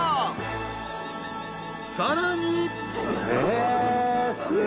［さらに］